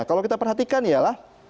kalau kita perhatikan ya lah